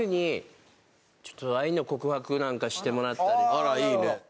うんあらいいね